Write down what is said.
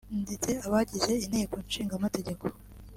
ndetse n’abagize Inteko Ishinga Amategeko